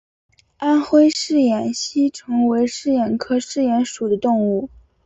安徽嗜眼吸虫为嗜眼科嗜眼属的动物。